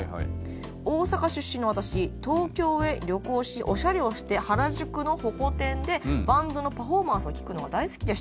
「大阪出身の私東京へ旅行しおしゃれをして原宿のホコ天でバンドのパフォーマンスを聴くのが大好きでした。